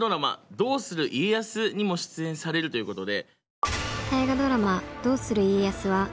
「どうする家康」にも出演されるということで。